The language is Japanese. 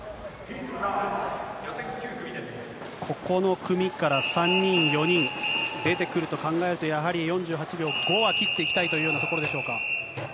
ここの組から３人、４人、出てくると考えて、やはり４８秒５は切っていきたいというようなところでしょうか。